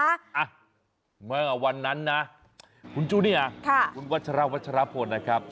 อ่ะเมื่อวันนั้นนะคุณจูเนียค่ะคุณวัชราวัชรพลนะครับ